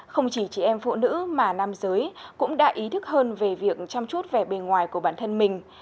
không chỉ chị em phụ nữ mà nam giới cũng đã ý thức hơn về việc chăm chút vẻ bề ngoài của bản thân mình